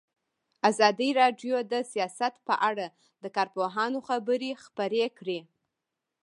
ازادي راډیو د سیاست په اړه د کارپوهانو خبرې خپرې کړي.